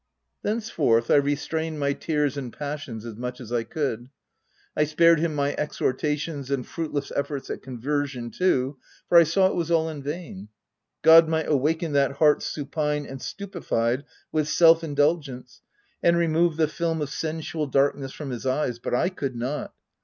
Thenceforth, I restrained my tears and pas sions as much as I could. I spared him my ex hortations and fruitless efforts at conversion too, for I saw it was all in vain : God might awaken that heart supine and stupified with self indul gence, and remove the film of sensual dark ness from his eyes, but I could not.